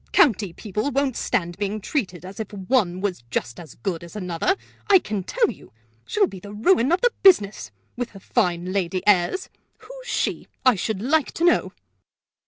County people won't stand being treated as if one was just as good as another, I can tell you! She'll be the ruin of the business, with her fine lady airs! Who's she, I should like to know?"